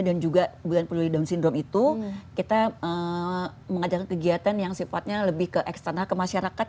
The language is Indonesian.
dan juga bulan peluli down syndrome itu kita mengajarkan kegiatan yang sifatnya lebih ke eksternal ke masyarakat